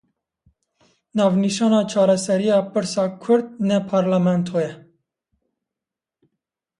Navnîşana çareseriya Pirsa Kurd ne parlamento ye.